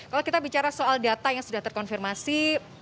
kalau kita bicara soal data yang sudah terkonfirmasi